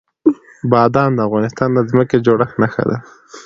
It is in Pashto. بادام د افغانستان د ځمکې د جوړښت نښه ده.